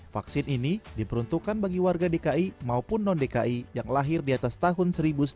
vaksin ini diperuntukkan bagi warga dki maupun non dki yang lahir di atas tahun seribu sembilan ratus sembilan puluh